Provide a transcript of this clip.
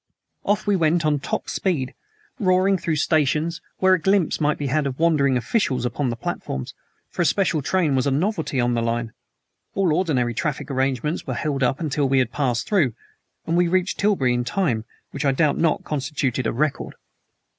Off we went on top speed, roaring through stations, where a glimpse might be had of wondering officials upon the platforms, for a special train was a novelty on the line. All ordinary traffic arrangements were held up until we had passed through, and we reached Tilbury in time which I doubt not constituted a record.